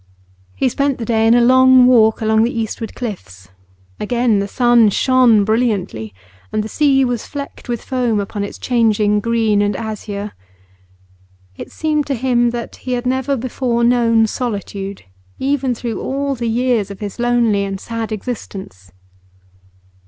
He spent the day in a long walk along the eastward cliffs; again the sun shone brilliantly, and the sea was flecked with foam upon its changing green and azure. It seemed to him that he had never before known solitude, even through all the years of his lonely and sad existence.